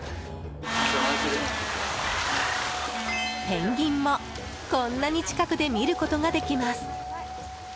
ペンギンも、こんなに近くで見ることができます。